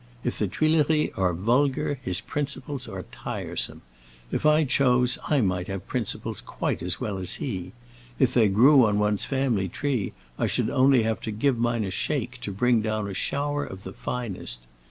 If the Tuileries are vulgar, his principles are tiresome. If I chose I might have principles quite as well as he. If they grew on one's family tree I should only have to give mine a shake to bring down a shower of the finest.